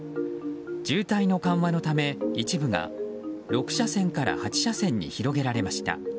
渋滞の緩和を目的に一部が６車線から８車線に広げられました。